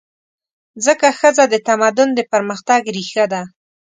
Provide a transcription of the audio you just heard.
ځکه ښځه د تمدن د پرمختګ ریښه ده.